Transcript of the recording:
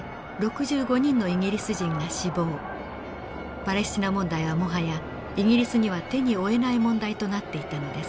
パレスチナ問題はもはやイギリスには手に負えない問題となっていたのです。